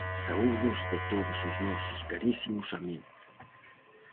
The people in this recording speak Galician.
Saúdos de todos os nosos carísimos amigos.